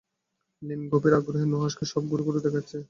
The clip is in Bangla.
লীম গভীর আগ্রহে নুহাশকে সব ঘুরে ঘুরে দেখাচ্ছে।